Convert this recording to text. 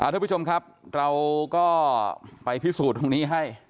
ทุกผู้ชมครับเราก็ไปพิสูจน์ตรงนี้ให้